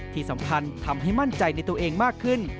ที่สำคัญทำให้มั่นใจในตัวเองมากขึ้น